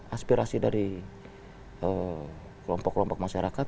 aspirasi dari kelompok kelompok masyarakat